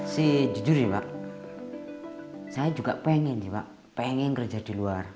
sejujur ya pak saya juga pengen ya pak pengen kerja di luar